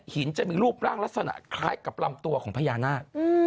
จะมีรูปร่างลักษณะคล้ายกับลำตัวของพญานาค